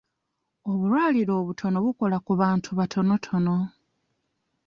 Obulwaliro obutono bukola ku bantu batonotono.